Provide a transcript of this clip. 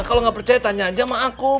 kalau gak percaya tanya aja ma'a kum